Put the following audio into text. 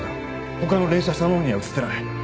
他の連写したものには写ってない。